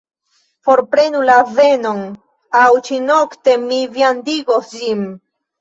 Forprenu la azenon, aŭ ĉi-nokte mi viandigos ĝin.